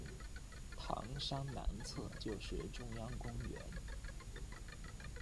糖山南侧就是中央公园。